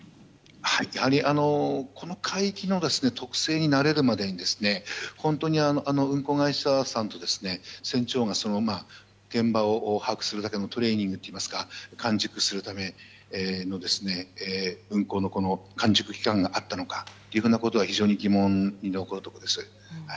やはりこの海域の特性に慣れるまでに本当に運航会社さんと船長が現場を把握するだけのトレーニングといいますか運航の完熟期間があったのかということが非常に疑問に残るところです。